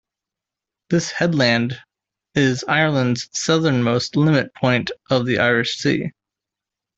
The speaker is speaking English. This headland is Ireland's southern limit point of the Irish Sea.